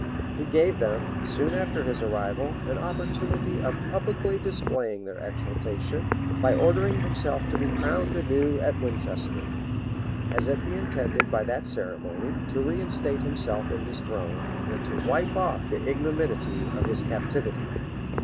He gave them, soon after his arrival, an opportunity of publicly displaying their exultation, by ordering himself to be crowned anew at Winchester; as if he intended, by that ceremony, to reinstate himself in his throne, and to wipe off he ignominity of his captivity.